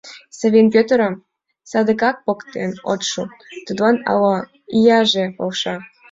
— Савин Пӧтырым садыгак поктен от шу, тудлан ала ияже полша.